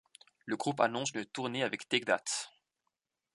Le groupe annonce une tournée avec Take That.